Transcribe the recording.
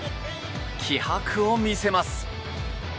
気迫を見せます。